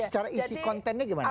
secara isi kontennya gimana